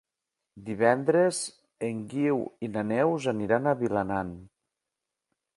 Divendres en Guiu i na Neus aniran a Vilanant.